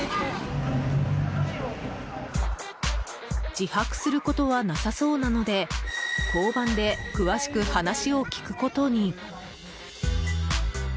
自白することはなさそうなので交番で詳しく話を聞くことに。